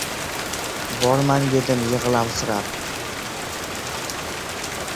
— Bormang! — dedim yig‘lamsirab.